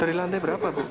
dari lantai berapa bu